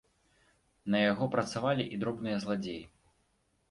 На яго працавалі і дробныя зладзеі.